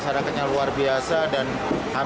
pertanian pertanian sukarman